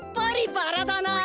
バラだなあ。